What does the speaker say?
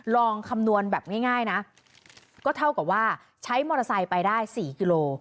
ลองคำนวณแบบง่ายนะก็เท่ากับว่าใช้มอเตอร์ไซค์ไปได้๔กิโล